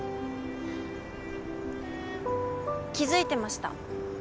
気づいてました。